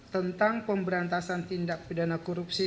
tentang pemberantasan tindak pidana korupsi